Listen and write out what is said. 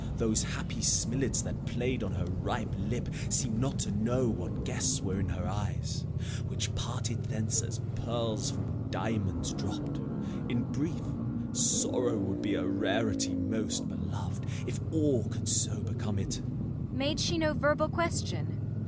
Those happy smilets That play'd on her ripe lip seem'd not to know What guests were in her eyes, which parted thence As pearls from diamonds dropp'd. In brief, Sorrow would be a rarity most belov'd, If all could so become it. Kent. Made she no verbal question? Gent.